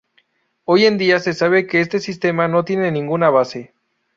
Hoy en día se sabe que este sistema no tiene ninguna base.